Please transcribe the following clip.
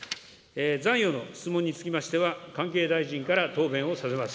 残余の質問につきましては、関係大臣から答弁をさせます。